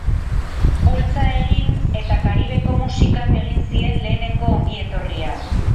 Bultza egin eta Karibeko musikak egin zien lehenengo ongietorria.